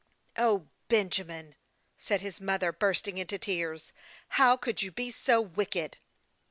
" O, Benjamin!" said his mother, bursting into tears. " How could you be so wicked